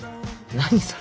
何それ。